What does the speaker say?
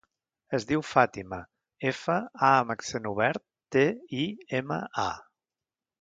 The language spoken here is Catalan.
Es diu Fàtima: efa, a amb accent obert, te, i, ema, a.